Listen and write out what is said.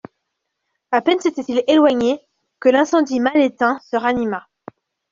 A peine s'était-il éloigné, que l'incendie mal éteint, se ranima.